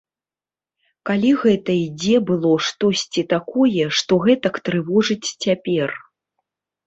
Калі гэта і дзе было штосьці такое, што гэтак трывожыць цяпер?